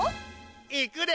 いくで！